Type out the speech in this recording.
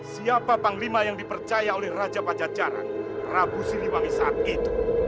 siapa panglima yang dipercaya oleh raja pajajaran rabu siliwangi saat itu